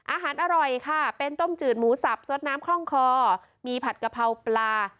อาหารอร่อยค่ะเป็นต้มจืดหมูสับซดน้ำคล่องคอมีผัดกะเพราปลา